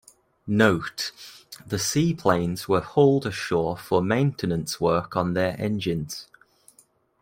Note: the seaplanes were hauled ashore for maintenance work on their engines.